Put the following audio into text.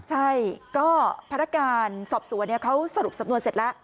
ใช่ก็พนักการสอบสวนเขาสรุปสำนวนเสร็จแล้ว